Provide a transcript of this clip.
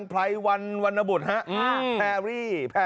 มีพฤติกรรมเสพเมถุนกัน